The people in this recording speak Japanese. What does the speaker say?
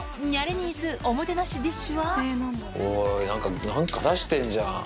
今夜のおい何か何か出してんじゃん。